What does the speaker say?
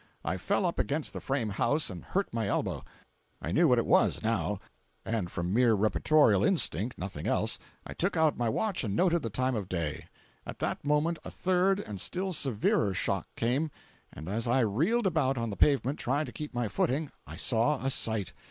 I fell up against the frame house and hurt my elbow. I knew what it was, now, and from mere reportorial instinct, nothing else, took out my watch and noted the time of day; at that moment a third and still severer shock came, and as I reeled about on the pavement trying to keep my footing, I saw a sight!